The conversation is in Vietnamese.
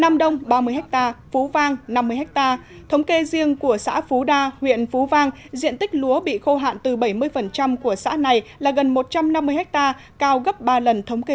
nam đông ba mươi hectare phú vang năm mươi hectare thống kê riêng của xã phú đa huyện phú vang diện tích lúa bị khô hạn từ bảy mươi của xã này là gần một trăm năm mươi hectare